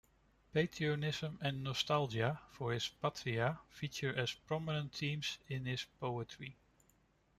Patriotism and nostalgia for his 'patria' feature as prominent themes in his poetry.